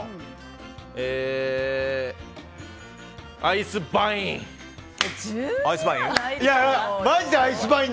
アイスバイン。